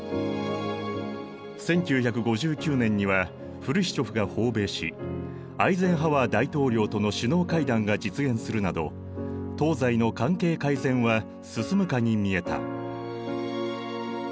１９５９年にはフルシチョフが訪米しアイゼンハワー大統領との首脳会談が実現するなど東西の関係改善は進むかに見えた。